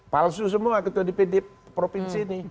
palsu semua ketua dpd provinsi ini